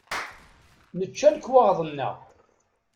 Nečča lekwaɣeḍ-nneɣ.